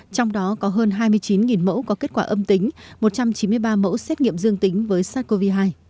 trong đó có hơn hai mươi chín mẫu có kết quả âm tính một trăm chín mươi ba mẫu xét nghiệm dương tính với sars cov hai